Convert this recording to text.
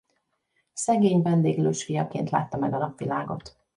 Szegény vendéglős fiaként látta meg a napvilágot.